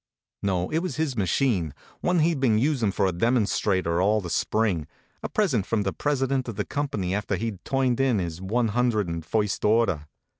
No, it was his machine, one he d been usin for a demonstrator all the spring, a HONK, HONK! present from the president of the company after he d turned in his one hundred and first order.